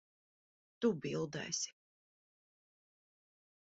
Tu bildēsi.